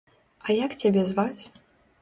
А як цябе зваць?